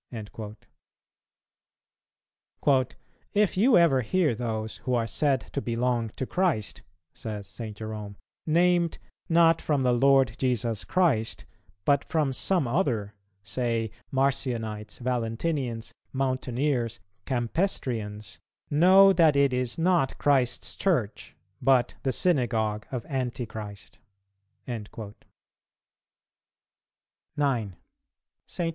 "[259:1] "If you ever hear those who are said to belong to Christ," says St. Jerome, "named, not from the Lord Jesus Christ, but from some other, say Marcionites, Valentinians, Mountaineers, Campestrians, know that it is not Christ's Church, but the synagogue of Antichrist."[259:2] 9. St.